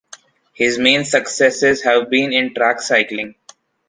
His main successes have been in track cycling.